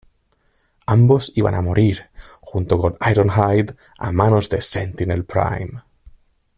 Ambos iban a morir junto con Ironhide a manos de Sentinel Prime.